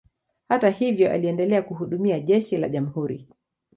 Hata hivyo, aliendelea kuhudumia jeshi la jamhuri.